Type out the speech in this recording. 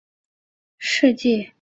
硫酸铁铵可当作分析试剂。